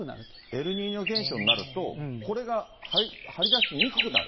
エルニーニョ現象になると、これが張り出しにくくなる。